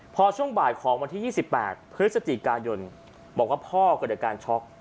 พอช่วงบ่ายของวันที่๒๘พฤศจิกายนบอกว่าพ่อเกิดอาการช็อก